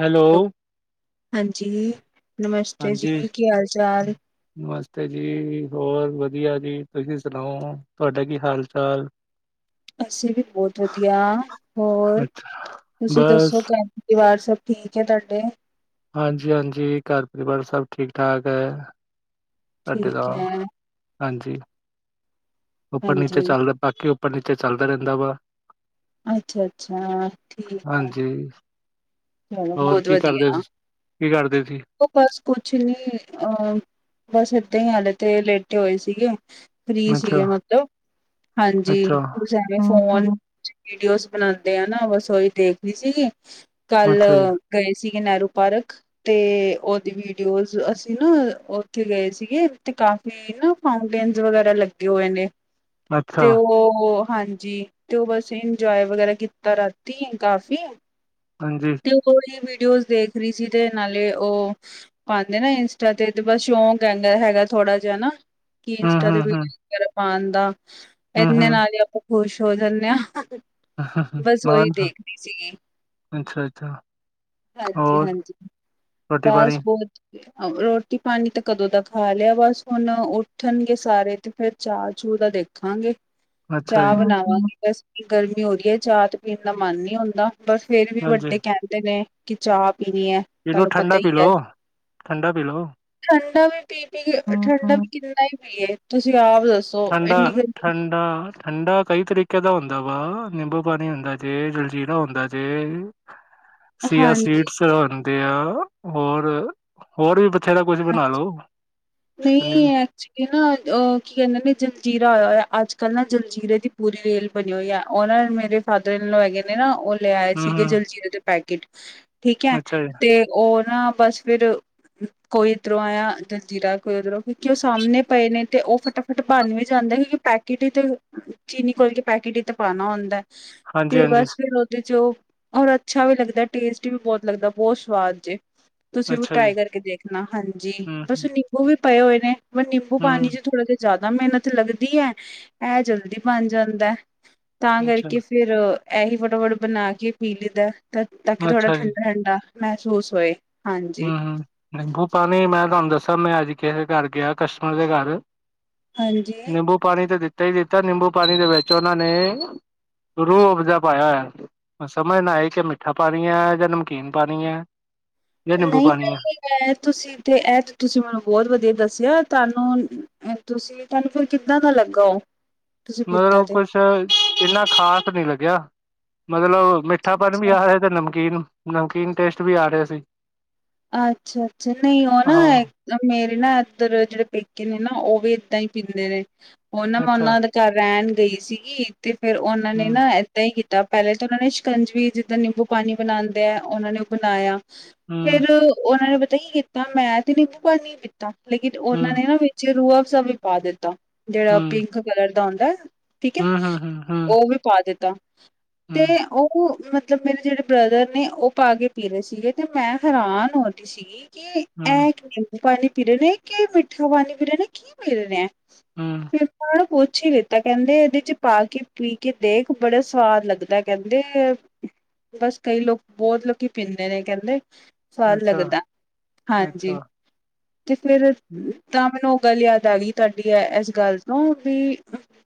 Hello, ਹਾਂਜੀ, ਨਮਸਤੇ ਹਾਂਜੀ। ਜੀ ਕੀ ਹਾਲ ਚਾਲ। ਨਮਸਤੇ ਜੀ, ਹੋਰ ਵਧੀਆ ਜੀ, ਤੁਸੀਂ ਸੁਣਾਓ ਤੁਹਾਡਾ ਕੀ ਹਾਲ-ਚਾਲ? ਅਸੀਂ ਵੀ ਬਹੁਤ ਵਧੀਆ, ਹੋਰ ਅੱਛਾ, ਤੁਸੀਂ ਦੱਸੋ ਬਸ ਤੁਹਾ ਪਰਿਵਾਰ ਸਭ ਠੀਕ ਹੈ ਤੁਆਡੇ ਹਾਂਜੀ-ਹਾਂਜੀ ਘਰ ਪਰਿਵਾਰ ਸਭ ਠੀਕ-ਠਾਕ ਹੈ। ਸਾਡੇ ਦਾ ਠੀਕ ਹੈ ਹਾਂਜੀ ਉੱਪਰ ਨੀਚੇ ਹਾਂਜੀ ਚੱਲਦਾ ਬਾਕੀ ਉੱਪਰ ਨੀਚੇ ਚੱਲਦਾ ਰਹਿੰਦਾ ਵਾ ਅੱਛਾ-ਅੱਛਾ ਠੀਕ ਐ। ਹੂੰ। ਹਾਂ, ਬਹੁਤ ਵਧੀਆ। ਕੀ ਕਰਦੇ ਸੀ? ਓ ਬਸ ਕੁਛ ਨੀ, ਅਹ ਬਸ ਏਦਾਂ ਈ ਆ ਹਲੇ ਤਾ ਲੇਟੇ ਹੋਏ ਸੀਗੇ। ਫਰੀ ਸੀਗੇ ਅੱਛਾ-ਅੱਛਾ। ਮਤਲਬ ਹਾਂਜੀ ਵੀ ਅੱਛਾ ਫੋਨ ਵੀਡੀਓਜ਼ ਬਣਾਦੇ ਆ ਨਾ ਬਸ ਉਈ ਦੇਖਣੀ ਸੀਗੀ ਅੱਛਾ ਜੀ, ਕੱਲ੍ਹ ਗਏ ਸੀਗੇ ਨਹਿਰੂ ਪਾਰਕ। ਤੇ ਉਹਦੀ ਵੀਡੀਓਜ਼ ਅਸੀਂ ਨਾ ਉੱਥੇ ਗਏ ਸੀਗੇ, ਤੇ ਕਾਫੀ ਏ ਨਾ ਫਾਊਂਟੇਨਜ ਵਗੈਰਾ ਲੱਗੇ ਹੋਏ ਨੇ ਅੱਛਾ, ਤੇ ਉਹ ਹਾਂਜੀ ਤੇ ਉਹ ਬਸ ਇੰਜੋਏ ਵਗੈਰਾ ਕੀਤਾ ਰਾਤੀ ਕਾਫੀ। ਹਾਂਜੀ। ਤੇ ਉਹੀ ਵੀਡੀਓਜ਼ ਦੇਖ ਰਹੀ ਸੀ ਤੇ ਨਾਲੇ ਉਹ ਪਾਦੇ ਨਾ ਇੰਸਟਾ ਤੇ ਬਸ ਸ਼ੌਂਕ ਹੈਗਾ, ਹੈਗਾ ਥੋੜਾ ਜਿਹਾ ਨਾ। ਕਿ ਇੰਸਟਾ ਤੇ ਹੂੰ-ਹੂੰ-ਹੂੰ, ਵੀਡੀਓਜ਼ ਵਗੈਰਾ ਪਾਣ ਦਾ ਇਹਨੇ ਹੂੰ-ਹੂੰ। ਨਾਲ ਹੀ ਆਪਾਂ ਖੁਸ਼ ਹੋ ਜਾਂਨੇ ਆਂ, ਬਸ ਓਹੀ ਦੇਖਦੀ ਸੀਗੀ। ਅੱਛਾ- ਅੱਛਾ। ਹਾਂਜੀ- ਹਾਂਜੀ ਰੋਟੀ-ਪਾਣੀ, ਬਸ ਬਹੁਤ ਰੋਟੀ-ਪਾਣੀ ਤਾਂ ਕਦੋਂ ਦਾ ਖਾ ਲਿਆ। ਬਸ ਹੁਣ ਉੱਠਣਗੇ ਸਾਰੇ ਤੇ ਫੇਰ ਚਾਹ-ਚੂ ਦਾ ਦੇਖ ਰੱਖਾਂਗੇ ਅੱਛਾ ਚਾਹ ਜੀ। ਬਣਾਵਾਂਗੇ ਬਸ ਗਰਮੀ ਹੋ ਰਹੀ ਐ, ਚਾਹ ਤੇ ਪੀਣ ਦਾ ਮਨ ਨੀ ਹੁੰਦਾ। ਬਸ ਫੇਰ ਵੀ ਹਾਂਜੀ ਵੱਡੇ ਕਹਿੰਦੇ ਨੇ ਕਿ ਚਾਹ ਪੀਣੀ ਐ। ਪੀਲੋ ਠੰਡਾ ਪੀਲੋ। ਠੰਡਾ ਵੀ ਪੀ ਪੀ ਕੇ ਠੰਡਾ ਵੀ ਕਿੰਨਾ ਈ ਪੀਏ ਤੁਸੀਂ ਆਪ ਦੱਸੋ? ਠੰਡਾ ਇੰਨੀ ਠੰਡ ਗਰਮੀ ਠੰਡਾ-ਠੰਡਾ ਕਈ ਤਰੀਕੇ ਦਾ ਹੁੰਦਾ ਵਾ ਨਿੰਬੂ ਪਾਣੀ ਹੁੰਦਾ ਜੇ ਜਲਜੀਰਾ ਹੁੰਦਾ ਜੇ [unintelligible] ਸੀਆ ਸੀਡਸ ਹਾਂਜੀ ਆਂਦੇ ਆ ਹੋਰ ਹੋਰ ਵੀ ਬਥੇਰਾ ਦਾ ਕੁਛ ਬਣਾ ਲੋ ਨਹੀਂ ਐਕਚੁਲੀ ਨਾ ਅ ਕੀ ਕਹਿਦੇ ਨੇ ਜਲਜੀਰਾ ਆਇਆ ਹੋਇਆ ਅੱਜਕੱਲ੍ਹ ਨਾ ਜਲਜੀਰੇ ਦੀ ਪੂਰੀ ਰੇਲ ਬਣੀ ਹੋਈ ਹੀ ਆ ਓਨਾਂ ਮੇਰੇ ਫਾਦਰ ਇਨਲੌ ਹੈਗੇ ਨੇ ਨਾ ਓ ਲੈ ਆਏ ਸੀਗੇ ਹਮ ਜਲਜੀਰੇ ਦੇ ਪੈਕੇਟ ਠੀਕ ਐ ਅੱਛਾ ਜੀ ਤੇ ਓ ਨਾ ਬਸ ਫਿਰ ਕੋਈ ਇੱਧਰੋਂ ਆ ਜਲਜੀਰਾ ਕੋਈ ਉੱਧਰੋਂ ਕਿਉਂਕਿ ਓਸਾਹਮਣੇ ਪਏ ਨੇ ਤੇ ਉਹ ਫਟਾਫਟ ਬਟ ਬਣ ਵੀ ਜਾਂਦਾ ਕਿਉਂਕਿ ਪੈਕੇਟ ਹੀ ਤੇ ਚੀਨੀ ਖੋਲ ਕੇ ਪੈਕੇਟ ਈ ਤੇ ਪਾਣਾ ਹੁੰਦਾ। ਹਾਂਜੀ ਤੇ ਹਾਂਜੀ ਬਸ ਫੇਰ ਉਹਦੇ ਚ ਉਹ ਔਰ ਅੱਛਾ ਵੀ ਲੱਗਦਾ ਟੇਸਟੀ ਵੀ ਬਹੁਤ ਲੱਗਦਾ ਬਹੁਤ ਸਵਾਦ ਜੇ ਤੁਸੀਂ ਵੀ ਅੱਛਾ ਜੀ ਟਰਾਈ ਕਰਕੇ ਦੇਖ ਹਾਂਜੀ ਹਮ ਬਸ ਨਿੰਬੂ ਵੀ ਪਏ ਹੋਏ ਨੇ, ਪਰ ਨਿੰਬੂ ਪਾਣੀ ਹਮ ਚ ਥੋੜਾ ਜਾ ਜ਼ਿਆਦਾ ਮਿਹਨਤ ਲੱਗਦੀ ਐ ਆਏ ਜਲਦੀ ਬਣ ਜਾਂਦਾ ਤਾਂ ਅੱਛਾ ਕਰਕੇ ਫੇਰ ਫਿਰ ਇਹੀ ਫਟਾਫਟ ਬਣਾ ਕੇ ਪੀ ਲੈਂਦਾ ਤਾਂ ਕਿ ਥੋੜਾ ਅੱਛਾ ਜੀ ਠੰਡਾ-ਠੰਡਾ ਮਹਿਸੂਸ ਹੋਏ। ਹਾਂਜੀ ਹੂੰ, ਨਿੰਬੂ ਪਾਣੀ ਮੈਂ ਤੁਹਾਨੂੰ ਦੱਸਾਂ, ਮੈਂ ਅੱਜ ਕਿਸੇ ਦੇ ਘਰ ਗਿਆ ਕਸਟਮਰ ਦੇ ਘਰ ਹਾਂਜੀ ਨਿੰਬੂ ਪਾਣੀ ਤਾਂ ਦਿੱਤਾ ਈ ਦਿੱਤਾ। ਨਿੰਬੂ ਪਾਣੀ ਦੇ ਵਿੱਚ ਉਨ੍ਹਾ ਨੇ ਰੂਹ ਉਪਜ਼ਾ ਪਾਇਆ ਹੋਇਆ ਸਮਝ ਨਾ ਆਈ, ਕਿ ਮਿੱਠਾ ਪਾਣੀ ਐ ਜਾਂ ਨਮਕੀਨ ਪਾਣੀ ਐ। [inaudible] ਤੁਸੀਂ ਤੇ ਐਤੇ ਤੁਸੀਂ ਮੈਨੂੰ ਬਹੁਤ ਵਧੀਆ ਦੱਸਿਆ, ਤੁਹਾਨੂੰ ਤੁਸੀਂ ਤੁਹਾਨੂੰ, ਫੇਰ ਕਿੱਦਾਂ ਦਾ ਲੱਗਾ ਉਹ? ਤੁਸੀਂ ਪੀਤਾ ਮਤਲਬ, ਤੇ ਕੁਛ ਇੰਨਾ ਖ਼ਾਸ ਨੀ ਲੱਗਿਆ। ਮਤਲਬ ਮਿੱਠਾਪਨ ਵੀ ਆ ਰਿਹਾ, ਤੇ ਨਮਕੀਨ ਨਮਕੀਨ ਟੇਸਟ ਵੀ ਆ ਰਹਾ ਸੀ। ਅੱਛਾ- ਅੱਛਾ ਨਹੀਂ ਉਹ ਨਾ ਹੈ? ਹਾਂ ਮੇਰੇ ਨਾ ਇੱਧਰ ਜਿਹੜੇ ਪੇਕੇ ਨੇ ਨਾ, ਉਹ ਵੀ ਇਏਦਾਂ ਹੀ ਪੀਂਦੇ ਨੇ। ਉਹ ਨਾ ਮੈਂ ਅੱਛਾ ਉਹਨਾਂ ਦਾ ਘਾਰ ਰਹਿਣ ਗਈ ਸੀਗੀ, ਤੇ ਫੇਰ ਉਹਨਾਂ ਨੇ ਹੂੰ ਨਾ, ਇੱਦਾਂ ਹੀ ਕੀਤਾ, ਪਹਿਲੇ ਤਾਂ ਉਹਨਾਂ ਨੇ ਸ਼ਿਕੰਜਵੀ ਜਿੱਦਾਂ ਨਿੰਬੂ ਪਾਣੀ ਬਣਾਉਂਦੇ ਹੈ। ਉਹਨਾਂ ਨੇ ਉਹ ਬਣਾਇਆ। ਹੂੰ ਫੇਰ ਉਹਨਾਂ ਨੇ ਪਤਾ ਕੀ ਕੀਤਾ, ਮੈਂ ਤੇ ਨਿੰਬੂ ਪਾਣੀ ਪੀਤਾ ਲੇਕਿਨ ਉਹ ਹੂੰ ਨੇ ਨਾ ਰੂਅਬਸਾ ਵੀ ਪਾ ਦਿੱਤਾ, ਜਿਹੜਾ ਹੂੰ ਪਿੰਕ ਕਲਰ ਦਾ ਹੁੰਦਾ। ਠੀਕ ਹੈ ਹੂੰ ਹੂੰ ਹੂੰ ਹੂੰ ਉਹ ਵੀ ਪਾ ਦਿੱਤਾ। ਤੇ ਹੂੰ ਉਹ ਮਤਲਬ ਮੇਰੇ ਜਿਹੜੇ ਬ੍ਰਦਰ ਨੇ, ਉਹ ਪਾ ਕੇ ਪੀ ਰਹੇ ਸੀਗੇ ਤੇ ਮੈਂ- ਹੈਰਾਨ ਹੋਦੀ ਸੀਗੀ, ਕਿ ਇਹ ਹੂੰ ਕਿਵੇਂ? ਪਾਣੀ ਪੀ ਰਹੇ ਨੇ ਕਿ ਮਿੱਠਾ ਪਾਣੀ ਪੀ ਰਹੇ ਨੇ, ਕੀ ਪੀ ਰਹੇ ਰਹੇ ਨੇ ਏਹ, ਹੂੰ ਫੇਰ ਨੂੰ ਪੁੱਛ ਹੀ ਲਿਤਾ। ਤਾਂ ਕਹਿੰਦੇ ਇਹਦੇ ਚ ਪਾ ਕੇ ਪੀ ਕੇ ਦੇਖ, ਬੜਾ ਸਵਾਦ ਲੱਗਦਾ ਕਹਿੰਦੇ। ਬਸ ਕਈ ਲੋਕ ਬਹੁਤ ਲੋਕੀ ਪੀਂਦੇ ਨੇ ਕਹਿੰਦੇ। ਸਵਾਦ ਅੱਛਾ ਲੱਗਦਾ, ਹਾਂਜੀ ਅੱਛਾ ਤੇ ਫੇਰ ਤਾਂ ਮੈਨੂੰ ਉਹ ਗੱਲ ਯਾਦ ਆ ਗਈ ਤੁਹਾਡੀ ਇਸ ਗੱਲ ਤੋਂ ਵੀ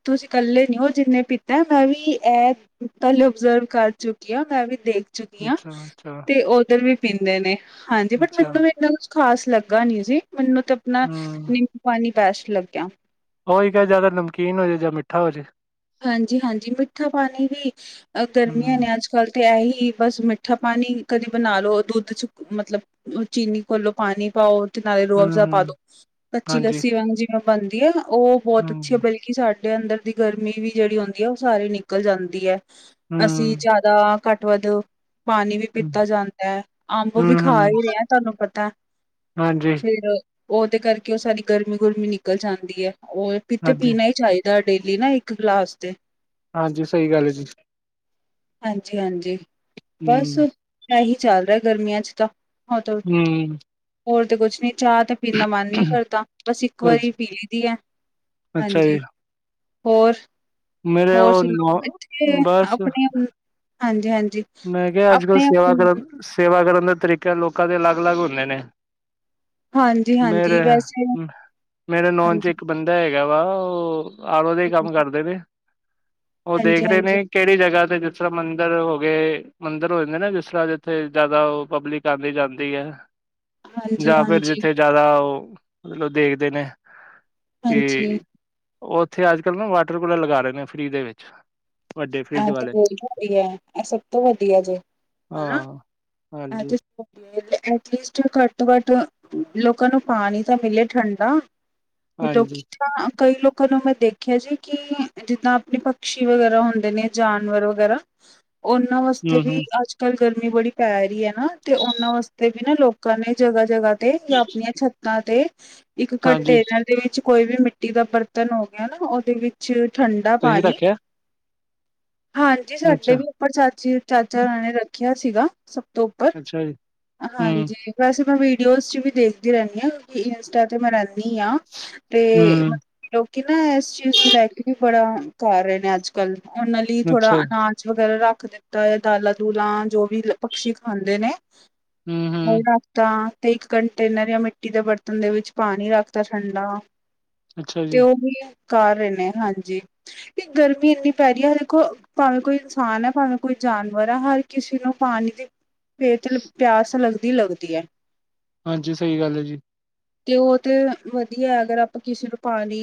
ਤੁਸੀਂ ਇਕੱਲੇ ਨੀ ਹੋ। ਜਿੰਨੇ ਪਿਤਾ ਮੈਂ ਵੀ ਇਹ, ਪਹਿਲੇ ਓਬਜ਼ਰਵ ਕਰ ਚੁੱਕੀ ਹਾ, ਮੈਂ ਵੀ ਦੇਖ ਚੁੱਕੀ ਆਂ ਅੱਛਾ ਅੱਛਾ ਤੇ ਉੱਧਰ ਵੀ ਪੀਂਦੇ ਨੇ। ਹਾਂਜੀ ਬਟ ਅੱਛਾ ਮੈਨੂੰ ਵੀ ਇਨਾ ਕੁ- ਖ਼ਾਸ ਲੱਗਾ ਨੀ ਸੀ। ਮੈਨੂੰ ਤੇ ਆਪਣਾ ਹੂੰ ਨਿੰਬੂ ਪਾਣੀ ਬੈਸਟ ਲੱਗਿਆ। ਉਹੀ ਕਿਆ ਜਾਂ ਤਾਂ ਨਮਕੀਨ ਹੋ ਜਾਏ, ਜਾਂ ਮਿੱਠਾ ਹੋ ਜਾਏ। ਹਾਂਜੀ- ਹਾਂਜੀ ਮਿੱਠਾ ਪਾਣੀ ਵੀ ਅ ਹੂੰ ਗਰਮੀਆਂ ਨੇ ਅੱਜ- ਕੱਲ ਤੇ ਇਹ ਹੀ ਬਸ ਮਿੱਠਾ ਪਾਣੀ ਕਦੇ ਬਣਾ ਲਓ। ਦੁੱਧ ਚ ਮਤਲਬ ਉਹ ਚੀਨੀ ਘੋਲੋਂ ਪਾਣੀ ਪਾਓ। ਤੇ ਨਾਲੇ ਹੂੰ ਰੋਅਫਜ਼ਾ ਪਾ ਦੋ, ਹੂੰ ਕੱਚੀ ਹਾਂਜੀ ਲੱਸੀ ਵਾਂਗ ਜਿਵੇਂ ਬਣਦੀ ਆ, ਉਹ ਬਹੁਤ ਹੂੰ ਅੱਛੀ ਹੁੰਦੀ ਹੈ। ਸਾਡੇ ਅੰਦਰ ਦੀ ਗਰਮੀ ਵੀ ਜਿਹੜੀ ਹੁੰਦੀ ਹੈ। ਉਹ ਸਾਰੀ ਨਿਕਲ ਜਾਂਦੀ ਹੈ। ਅਸੀਂ ਹੂੰ ਜ਼ਿਆਦਾ ਘੱਟ- ਵੱਧ। ਪਾਣੀ ਵੀ ਹੂੰ-ਹੂੰ, ਪੀਤਾ ਜਾਂਦਾ ਹੈ। ਅੰਬ ਵੀ ਖਾ ਹੀ ਰਿਹਾ ਆ ਤੁਹਾਨੂੰ ਪਤਾ। ਹਾਂਜੀ। ਫਿਰ ਉਹਦੇ ਕਰਕੇ ਉਹ ਸਾਰੀ ਗਰਮੀ- ਗੁਰਮੀ ਨਿਕਲ ਜਾਂਦੀ ਹੈ। ਉਹ ਕਿੱਥੇ ਹਾਂਜੀ, ਹਾਂਜੀ, ਪੀਣਾ ਹੀ ਚਾਹੀਦਾ ਡੇਲੀ ਨਾ ਇਕ ਗਲਾਸ ਤੇ। ਹਾਂਜੀ ਸਹੀ ਗੱਲ ਹੈ ਜੀ। ਹਾਂਜੀ- ਹਾਂਜੀ ਬਸ ਇਹੀ ਚੱਲ ਰਿਹਾ, ਗਰਮੀਆਂ ਚ ਤਾਂ। ਹ ਹੂੰ-ਹੂੰ, ਹੋਰ ਤੇ ਕੁਛ ਨੀ ਚਾਹ ਤੇ? ਪੀਣ ਦਾ ਮਨ ਨਹੀਂ ਕਰਦਾ ਬਸ ਇੱਕ ਵਾਰੀ ਅੱਛਾ ਪੀ ਲਈ ਦੀ ਹੈ। ਅੱਛਾ ਹਾਂਜੀ ਜੀ। ਹੋਰ, ਮੇਰੇ ਹੋਰ ਉਹ ਸੁਣਾਓ ਨੌ ਇਥੇ ਬਸ ਆਪਣੇ ਹਾਂਜੀ- ਹਾਂਜੀ। ਮੈਂ ਕਿਹਾ ਅੱਜ ਕੱਲ ਆਪਣੇ ਸੇਵਾ ਹਾਂਜੀ ਕਰਨ, ਸੇਵਾ ਕਰਨ ਦਾ ਤਰੀਕਾ ਲੋਕਾਂ ਦੇ ਅਲੱਗ- ਅਲੱਗ ਹੁੰਦੇ ਨੇ। ਹਾਂਜੀ ਮੇਰੇ। ਵੈਸੇ ਮੇਰੇ ਨੌਨ ਚ ਹਾਂਜੀ ਇੱਕ ਬੰਦਾ ਹੈਗਾ ਵਾ, ਉਹ ਆਲੋ ਦਾ ਹੀ ਹਾਂਜੀ ਕੰਮ ਕਰਦੇ ਨੇ। ਉਹ ਦੇਖ ਹਾਂਜੀ ਰਹੇ ਨੇ ਹਾਂਜੀ ਕਿਹੜੀ ਜਗਾ ਤੇ ਜਿਸ ਤਰਾਂ ਮੰਦਿਰ ਹੋ ਮੰਦਿਰ ਹੋ ਜਾਂਦੇ ਨਾ, ਜਿਸ ਤਰਾਂ ਜਿੱਥੇ ਜਿਆਦਾ ਉਹ ਪਬਲਿਕ ਆਉਂਦੀ ਜਾਂਦੀ ਹੈ। ਜਾਂ ਫੇਰ ਹਾਂਜੀ ਜਿੱਥੇ ਜ਼ਿਆਦਾ ਉਹ ਮਤਲਬ ਦੇਖਦੇ ਨੇ ਕਿ ਹਾਂਜੀ ਉਹ ਉੱਥੇ ਅੱਜ ਕੱਲ ਨਾ ਵਾਟਰ ਕੂਲਰ ਲਗਾ ਰਹੇ ਨੇ, ਫ੍ਰਰੀ ਦੇ ਵਿੱਚ। ਵੱਡੇ ਆਹ ਫਰਿਜ ਤੇ ਵਾਲੇ ਹੋ ਬੁਵਤ ਇਹ ਸਭ ਤੋਂ ਵਧੀਆ ਜੇ, ਹਨਾ, ਹਾਂ ਆਹ ਹਾਂਜੀ ਤੇ। ਐਟਲੀਸਟ ਘੱਟੋ-ਘੱਟ ਲੋਕਾਂ ਨੂੰ ਪਾਣੀ ਤਾਂ ਮਿਲੇ ਠੰਡਾ। ਹਾਂਜੀ ਲੋਕੀ ਤਾਂ- ਕਈ ਲੋਕਾਂ ਨੂੰ ਮੈਂ ਦੇਖਿਆ ਜੀ ਕਿ, ਜਿੱਦਾਂ ਆਪਣੇ ਪਕਸ਼ੀ ਵਗੈਰਾ ਹੁੰਦੇ। ਨੇ ਜਾਨਵਰ ਵਗੈਰਾ, ਉਹਨਾਂ ਵਾਸਤੇ ਹੂੰ ਵੀ ਹੂੰ ਅੱਜ- ਕੱਲ ਗਰਮੀ ਬੜੀ ਪੈ ਰਹੀ ਹੈ, ਨਾ ਤੇ ਉਹਨਾਂ ਵਾਸਤੇ ਵੀ ਨਾ ਲੋਕਾਂ ਨੇ ਜਗਾ-ਜਗਾ- ਤੇ ਜਾਂ ਆਪਣੀਆਂ ਛੱਤਾਂ ਤੇ ਇੱਕ ਹਾਂਜੀ ਕੰਟੇਨਰ ਉਹਦੇ ਵਿੱਚ ਕੋਈ ਵੀ ਮਿੱਟੀ ਦਾ ਬਰਤਨ ਹੋ ਗਿਆ ਨਾ, ਉਹਦੇ ਵਿੱਚ ਠੰਡਾ ਤੁਸੀਂ ਪਾਣੀ ਰੱਖਿਆ ਹਾਂਜੀ, ਸਾਡੇ ਅੱਛਾ ਵੀ ਉੱਪਰ ਚਾਚੀ-ਚਾਚਾਾਂ ਨੇ ਰੱਖਿਆ ਸੀਗਾ, ਸਭ ਤੋਂ ਉੱਪਰ। ਅੱਛਾ ਜੀ। ਹੂੰ ਹਾਂਜੀ, ਵੈਸੇ ਮੈਂ ਵੀਡੀਓਜ਼ ਚ ਵੀ ਦੇਖਦੀ ਰਹਿੰਣੀ ਆ। ਕਿਉਂਕਿ ਇੰਸਟਾ ਤੇ ਮੈਂ ਰਹਿੰਦੀ ਤੇ ਹੂੰ ਲੋਕੀ ਨਾ, ਇਸ ਚੀਜ਼ ਨੂੰ ਲੈ ਕੇ ਵੀ ਬੜਾ ਕਰ ਰਹੇ ਨੇ ਅੱਜ- ਕਲ, ਉਹਨਾਂ ਲਈ ਥੋੜਾ ਅੱਛਾ ਅਨਾਜ ਵਗੈਰਾ ਰੱਖ ਦਿੱਤਾ ਏ, ਦਾਲਾਂ ਦੂਲਾਂ ਜੋ ਵੀ ਪਕੱਸ਼ੀ ਖਾਂਦੇ ਨੇ। ਹੂੰ ਹੂੰ ਰੱਖਦਾ, ਤੇ ਇੱਕ ਕੰਟੇਨਰ ਜਾਂ ਮਿੱਟੀ ਦੇ ਬਰਤਨ ਦੇ ਵਿੱਚ ਪਾਣੀ ਰੱਖਦਾ ਠੰਡਾ ਅੱਛਾ ਤੇ ਜੀ ਉਹ ਵੀ ਕਰ ਰਹੇ ਨੇ, ਹਾਂਜੀ ਤੇ ਗਰਮੀ ਇਨੀ ਪੈ ਰਹੀ ਹੈ ਦੇਖੋ ਭਾਵੇਂ ਕੋਈ ਇਨਸਾਨ ਹੈ ਭਾਵੇਂ ਕੋਈ ਜਾਨਵਰ ਹੈ ਹਰ ਕਿਸੇ ਨੂੰ ਪਾਣੀ ਦੀ ਫੇਰ ਪਿਆਸ ਲੱਗਦੀ- ਲੱਗਦੀ ਹੈ। ਹਾਂਜੀ। ਸਹੀ ਗੱਲ, ਐ ਜੀ। ਤੇ ਉਹ ਤੇ ਵਧੀਆ, ਅਗਰ ਆਪਾਂ ਕਿਸੇ ਨੂੰ ਪਾਣੀ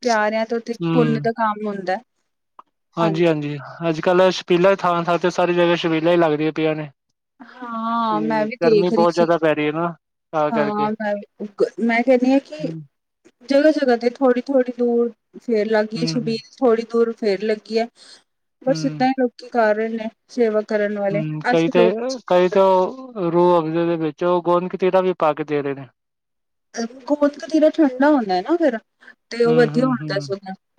ਪਿਆ ਰਹੇ ਹਾਂ ਤੇ ਪੁੰਨ ਦਾ ਕੰਮ ਹੁੰਦਾ। ਹਾਂਜੀ ਹਾਂਜੀ-ਹਾਂਜੀ, ਅੱਜ ਕੱਲ੍ਹ ਛਪੀਲਾ ਥਾਂ-ਥਾਂ ਤੇ ਸਾਰੀ ਜਗ੍ਹਾ ਛਪੀਲਾ ਹੀ ਲੱਗਦੀਆਂ ਪਈਆਂ ਨੇ। ਹਾਂ ਮੈਂ ਤੇ ਵੀ ਗਰਮੀ ਦੇਖ ਰਹੀ ਬਹੁਤ ਸੀ ਜਿਆਦਾ ਪੈ ਰਹੀ ਹੈ ਨਾ। ਤਾਂ ਕਰਕੇ ਹਾਂ, ਮੈਂ ਮੈਂ ਕਹਿੰਦੀ ਹਾਂ ਕਿ ਹੂੰ ਜਗ੍ਹਾ-ਜਗ੍ਹਾ ਤੇ ਥੋੜ੍ਹੀ-ਥੋੜ੍ਹੀ ਦੂਰ ਫੇਰ ਲੱਗ ਗਈਏ, ਹੂੰ ਹੂੰ ਛਬੀਲ ਥੋੜ੍ਹੀ ਦੂਰ ਫੇਰ ਲੱਗੀ ਐ, ਬਸ ਹੂੰ ਏਦਾਂ ਹੀ ਲੋਕੀ ਕਰ ਰਹੇ ਨੇ। ਸੇਵਾ ਕਰਨ ਵਾਲੇ, ਹੂੰ, ਕਈ ਅਸੀ ਤੇ ਲੋਕ ਕਈ ਤੇ ਰੂਹ ਅਵਜੇ ਚ, ਉਹ ਗੋਦ ਕਤੀਰਾ ਵੀ ਪਾ ਕੇ ਦੇ ਰਹੇ ਨੇ ਗੋਤ ਕਥੀਰਾ ਠੰਡਾ ਹੋਣਾ ਨਾ ਫੇਰ ਤੇ ਉਹ ਹੂੰ, ਵਧੀਆ ਹੂੰ, ਹੁੰਦਾ, ਹੂੰ ਸੋਂ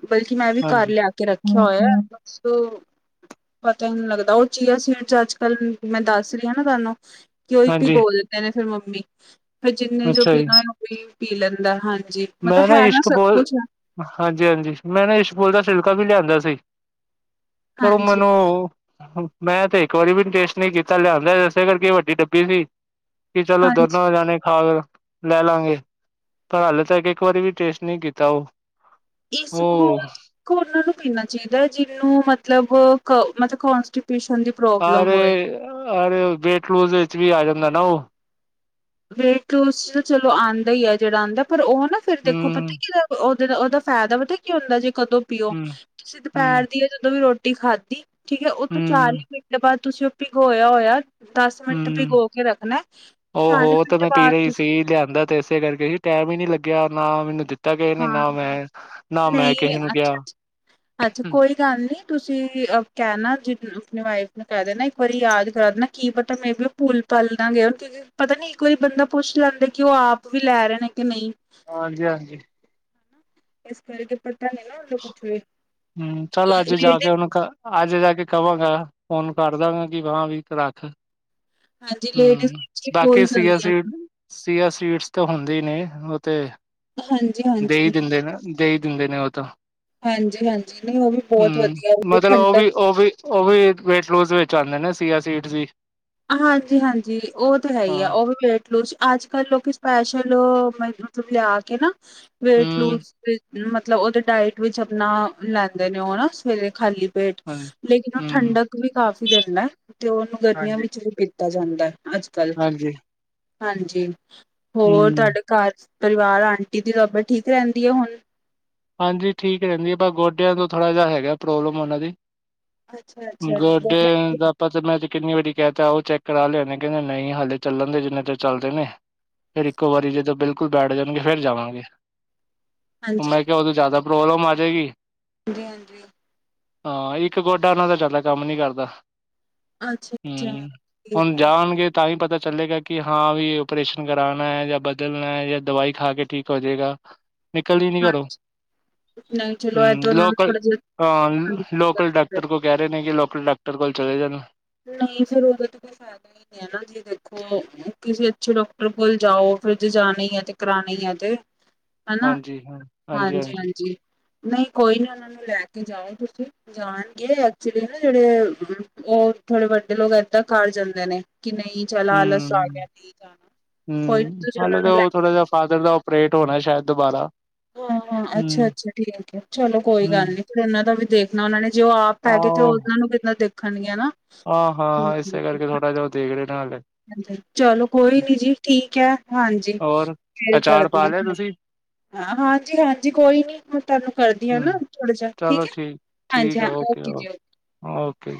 ਬਲਕਿ ਮੈਂ ਵੀ ਘਰ ਹਾਂਜੀ। ਲਿਆ ਕੇ ਰੱਖਿਆ ਹੋਇਆ, ਬੱਸ। ਪਤਾ ਹੀ ਨਹੀਂ ਲੱਗਦਾ, ਉਹ ਚੀਆ ਸੀਡਸ ਚ ਅੱਜ ਕੱਲ, ਮੈਂ ਦੱਸ ਰਹੀ ਹ ਨਾ ਤੁਹਾਨੂੰ ਕਿਓਹੀ ਹਾਂਜੀ, ਭਿਗੋਲ ਦਿੰਦੇ ਨੇ ਫੇਿਰ ਮੰਮੀ, ਫਿਰ ਜਿੰਨੇ ਜੋ ਅੱਛਾ ਜੀ, ਪੀਣਾ ਹੋਏ ਉਹੀ ਪੀ ਲੈਂਦਾ ਹਾਂਜੀ। ਮਤਲਬ ਮੈਂ ਹੈ ਨਾ ਇਸ਼ਕ ਸਭ ਬੋਲ ਕੁਛ ਆ। ਹਾਂਜੀ-ਹਾਂਜੀ, ਮੈਂ ਨਾ ਇਸਬਪੂਲ ਦਾ ਛਿਲਕਾ ਵੀ ਲਿਆਂਦਾ ਸੀ। ਪਰੋ ਹਾਂਜੀ ਮਨੋ ਮੈਂ ਤੇ ਇੱਕ ਵਾਰੀ ਵੀ ਟੇਸਟ ਨਈ ਕੀਤਾ, ਲਿਆਂਦਾ ਇਸੇ ਕਰਕੇ ਵੱਡੀ ਡੱਬੀ ਸੀ ਕਿ ਚਲੋ ਹਾਂਜੀ ਦੋਨੋ ਜਾਣੇ ਖਾ ਕੇ ਲੈ ਲਾਂਗੇ, ਪਰ ਹੱਲ ਇੱਕ ਵਾਰੀ ਵੀ ਟੇਸਟ ਨਈ ਕੀਤਾ ਉਹ ਇਸਬ ਪੂਲ ਉਹ ਚ ਉਹਨਾਂ ਨੂੰ ਪੀਨਾ ਚਾਹੀਦਾ ਹੈ ਜਿਹਨੂੰ ਮਤਲਬ- ਮਤਲਬ ਕੋਂਸਟੀਟਿਊਸ਼ਨ ਦੀ ਪ੍ਰੋਬਲਮ ਹੋਏ ਅਰੇ- ਅਰੇ, ਵੇਟ ਲੂਜ ਵਿੱਚ ਵੀ ਆ ਜਾਂਦਾ ਨਾ ਉਹ ਵੇਟ ਲੂਸ ਚਲੋ ਆਉਂਦਾ ਹੀ ਹੈ ਜਿਹੜਾ ਆਉਂਦਾ ਹੈ ਪਰ ਉਹ ਨਾ ਫੇਰ ਦੇਖੋ ਹੂੰ, ਪਤਾ ਕਿ ਉਹਦੇ ਦਾ ਉਹਦਾ ਫਾਇਦਾ ਪਤਾ ਕੀ ਹੁੰਦਾ, ਜੇ ਕਦੋਂ ਪੀਓ ਹੂੰ, ਤੁਸੀਂ ਹੂੰ, ਦੁਪਹਿਰ ਦੀ ਆ ਜਦੋਂ ਵੀ ਰੋਟੀ ਖਾਧੀ ਠੀਕ ਹੈ ਉਹ ਤੋਂ ਚਾਰ ਹੂੰ, ਹੀ ਮਿੰਟੇ ਬਾਅਦ ਤੁਸੀਂ ਉਹ ਭਿਗੋਇਆ ਹੋਇਆ, ਦਸ ਮਿੰਟ ਭਿਗੋ ਕੇ ਰੱਖਣਾ ਚਾਲੀ ਉਹਹ ਤੇ ਮਿੰਟ ਮੈਂ ਬਾਅਦ ਪੀਨਾ ਹੀ ਤੁਸੀਂ ਸੀ ਲਿਆਂਦਾ ਤੇ ਇਸੇ ਕਰਕੇ ਸੀ, ਟਾਈਮ ਹੀ ਨਈ ਲੱਗਿਆ ਨਾ ਮੈਨੂੰ ਦਿੱਤਾ ਕਿਸੇ ਨੇ, ਹਾਂ ਨਾ ਮੈਂ ਨਾ ਮੈਂ ਨਹੀਂ ਕਿਸੇ ਨੂੰ ਕਿਹਾ ਅੱਛਾ-ਅੱਛਾ, ਅੱਛਾ ਕੋਈ ਗੱਲ ਨਹੀਂ, ਤੁਸੀਂ ਕਹਿਣਾ ਜਿ ਆਪਣੀ ਵਾਈਫ ਮ ਕਹਿਦੇਣਾ ਇੱਕ ਵਾਰੀ ਯਾਦ ਕਰਾ ਦੇਣਾ, ਕੀ ਪਤਾ ਮੇ ਬੀ ਉਹ ਭੂਲ ਪਲ ਨਾ ਗਏ ਹੋਣ ਕਿ ਪਤਾ ਨੀ ਇੱਕ ਵਾਰੀ ਬੰਦਾ ਪੁੱਛ ਲੈਂਦਾ, ਕਿ ਉਹ ਆਪ ਵੀ ਲੈ ਰਹੇ ਨੇ ਕਿ ਨਈ ਹਾਂਜੀ- ਹਾਂਜੀ ਇਸ ਕਰਕੇ ਪੱਤਾ ਨਈ ਨਾ ਹੁਨ ਹਮ, ਚੱਲ ਅੱਜ ਜਾ ਕੇ ਓਨੂੰ ਅੱਜ ਜਾ ਕੇ ਕਵਾਂਗਾ, ਫੋਨ ਕਰ ਦਵਗਾ ਕਿ ਹਾਂ ਵੀ ਰੱਖ ਹਾਂਜੀ, ਹਮ ਲੇਡੀਜ਼ ਭੁਲ ਬਾਕੀ ਸੀਆ ਜਾਂਦੀਆਂ ਹਨ ਸੀਡ ਸੀਆ ਸੀਡਸ ਤਾਂ ਹੁੰਦੇ ਹੀ ਨੇ, ਉਹ ਤੇ ਹਾਂਜੀ ਹਾਂ- ਦੇਹੀਂ ਦਿੰਦੇ ਨੇ, ਦੇਹੀਂ ਦਿੰਦੇ ਨੇ ਉਹ ਤਾਂ ਹਾਂਜੀ-ਹਾਂਜੀ ਨਹੀਂ ਉਹ ਵੀ ਬਹੁਤ ਹਮ, ਵਧੀਆ ਮਤਲਬ ਉਹ ਠੰਡਕ ਵੀ ਉਹ ਵੀ ਉਹ ਵੀ, ਵੇਟ ਲੂਜ ਵਿੱਚ ਆਉਂਦੇ ਨੇ ਸੀਆ ਸੀਡ ਵੀ। ਹਾਂਜੀ ਹਾਂਜੀ, ਉਹ ਤਾਂ ਹੈ ਹੀ ਆ, ਹਾਂ ਉਹ ਵੀ ਲੂਜ ਅੱਜ ਕੱਲ ਲੋਕੀ ਸਪੈਸ਼ਲ, ਮਤਲਬ ਲਿਆ ਕੇ ਨਾ ਵੇਟ ਹਮ ਲੂਜ ਮਤਲਬ ਉਹਦੇ ਡਾਇਟ ਵਿੱਚ ਆਪਣਾ ਲੈਂਦੇ ਨੇ, ਉਹ ਨਾ ਸਵੇਰੇ ਖਾਲੀ ਵੇਟ, ਹਾਂਜੀ ਲੇਕਿਨ ਉਹ ਹਮ ਹਮ ਠੰਡਕ ਵੀ ਕਾਫੀ ਦਿੰਦਾ ਹੈ। ਤੇ ਉਹਨੂੰ ਗਰਮੀਆਂ ਹਾਂਜੀ ਵਿੱਚ ਨਹੀਂ ਪੀਤਾ ਜਾਂਦਾ ਅੱਜ ਕੱਲ, ਹਾਂਜੀ ਹਾਂਜੀ ਹੋਰ ਹਮ ਤੁਹਾਡੇ ਘਰ ਚ ਪਰਿਵਾਰ, ਆਂਟੀ ਦੀ ਤਬੀਅਤ ਠੀਕ ਰਹਿੰਦੀ ਹੈ ਹੁਣ? ਹਾਂਜੀ ਠੀਕ ਰਹਿੰਦੀ ਹੈ। ਪਰਾਂ ਗੋਡਿਆਂ ਤੋਂ ਥੋੜ੍ਹਾ ਜਿਹਾ ਹੈਗਾ ਪ੍ਰੋਬਲਮ ਉਹਨਾਂ ਦੀ। ਅੱਛਾ-ਅੱਛਾ ਗੋਡੇ ਗੋਡਿਆਂ ਦੀ ਦਾ ਪਤਾ ਮੈਂ ਤੇ ਕਿੰਨੀ ਵਾਰੀ ਕਹਿ ਤਾ, ਉਹ ਚੈੱਕ ਕਰਾ ਲਿਆਣੇ, ਕਹਿੰਦੇ ਨਹੀਂ ਹਾਲੇ ਚੱਲਣ ਦੇ ਜਿੰਨੇ ਚ ਚੱਲਦੇ ਨੇ ਫਿਰ ਇੱਕੋ ਵਾਰੀ ਜਦੋਂ ਬਿਲਕੁਲ ਬੈਠ ਜਾਣਗੇ। ਫਿਰ ਜਾਵਾਂਗੇ। ਹਾਂਜੀ ਮੈਂ ਕਿਹਾ ਉਦੋਂ ਜਿਆਦਾ ਪ੍ਰੋਬਲਮ ਆ ਜਾਏਗੀ ਰਹਿਣ ਦਿਓ। ਹਾਂ। ਇੱਕ ਗੋਡਾ ਉਹਨਾਂ ਦਾ ਜਿਆਦਾ ਕੰਮ ਨੀ ਕਰਦਾ ਅੱਛਾ-ਅੱਛਾ ਹੂੰ। ਹੁਣ ਠੀਕ ਹੈ ਜਾਣਗੇ ਤਾਂ ਵੀ ਪਤਾ ਚੱਲੇਗਾ ਕਿ, ਹਾਂ ਵੀ ਓਪਰੇਸ਼ਨ ਕਰਾਉਣਾ ਹੈ ਜਾਂ ਬਦਲਣਾ ਹੈ ਜਾਂ ਦਵਾਈ ਖਾ ਕੇ ਠੀਕ ਹੋ ਜਾਏਗਾ। ਨਿਕਲਦੀ ਨੀ ਹਾਂ ਘਰੋ। ਨਹੀਂ ਚਲੋ ਇਹ ਹੂੰ। ਤਾਂ ਉਹਨਾਂ ਨੂੰ ਲੋਕਲ ਥੋੜਾ ਹਾਂ ਲੋਕਲ ਜਿਹਾ ਡਾਕਟਰ ਕੋ ਕਹਿ ਰਹੇ ਨੇ ਕਿ, ਲੋਕਲ ਡਾਕਟਰ ਕੋਲ ਚਲੇ ਜਾਣੇ ਆ। ਨਹੀਂ ਫਿਰ ਉਹਦ ਤੇ ਫਾਇਦਾ ਹੀ ਨੀ ਹੈ ਜੀ। ਫਿਰ ਦੇਖੋ। ਕਿਸੇ ਅੱਛੇ ਡਾਕਟਰ ਕੋਲ ਜਾਓ। ਫਿਰ ਜ ਜਾਣੇ ਆ ਤੇ ਕਰਾਣੇ ਆ ਤੇ। ਹਨਾ ਹਾਂਜੀ ਹਾਂਜੀ। ਨਹੀਂ ਕੋਈ ਨੀ ਉਹਨਾਂ ਲੈ ਕੇ ਜਾਓ ਤੁਸੀਂ। ਜਾਣਗੇ ਐਕਚੁਲੀ ਨਾ ਜਿਹੜੇ ਉਹ ਥੋੜੇ ਵੱਡੇ ਲੋਕ ਇੱਦਾਂ ਘਰ ਜਾਂਦੇ ਨੇ, ਕਿ ਨਹੀਂ ਚੱਲ ਆਲਸ ਆ ਹੂੰ ਗਿਆ ਨਹੀਂ ਜਾਣਾ ਕੋਈ ਨੀ ਹੂੰ। ਤੁਸੀਂ ਉਹਨਾਂ ਹਾਲੇ ਤਾਂ ਨੂੰ ਲੈ ਉਹ ਥੋੜਾ ਜਿਹਾ ਫਾਦਰ ਦਾ ਅਪਰੇਟ ਹੋਣਾ ਸ਼ਾਇਦ ਦੁਬਾਰਾ। ਹੂੰ ਹੂੰ, ਅੱਛਾ ਅੱਛਾ ਠੀਕ ਹੈ। ਚਲੋ ਕੋਈ ਹੂੰ ਗੱਲ ਨੀ, ਫਿਰ ਉਹਨਾਂ ਦਾ ਵੀ ਦੇਖਣਾ ਉਹਨਾ ਨੇ ਜੇ ਉਹ ਆਪ ਪੈਗੇ ਤੇ ਉਹਨਾਂ ਨੂੰ ਕਿੱਦਾਂ ਦੇਖਣਗੀਆ ਨਾ। ਆ ਹੂੰ, ਹਾਂ। ਹੂੰ, ਇਸੇ ਹੂੰ, ਕਰਕੇ ਥੋੜਾ ਜਿਹਾ ਉਹ ਦੇਖ ਰਹੇ ਨੇ ਹਾਲੇ। ਚਲੋ ਕੋਈ ਨੀ ਜੀ ਠੀਕ ਹੈ ਹਾਂਜੀ। ਹੋਰ ਫੇਰ ਅਚਾਰ ਕਰਦੀ ਪਾ ਹਾਂ ਲਿਆ ਮੈਂ। ਤੁਸੀਂ? ਹਾਂਜੀ ਹਾਂਜੀ ਕੋਈ ਨੀ। ਮੈਂ ਤੁਹਾਨੂੰ ਕਰਦੀ ਹਾਂ ਹੂੰ, ਨਾ। ਥੋੜਾ ਜਿਹਾ ਠੀਕ ਹੈ। ਹਾਂਜੀ ਹਾਂ। ਓਕੇ ਜੀ ਓਕੇ। ਓਕੇ